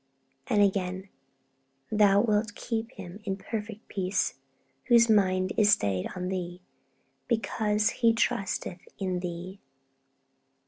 And again, 'Thou wilt keep him in perfect peace, whose mind is stayed on Thee, because he trusteth in Thee.'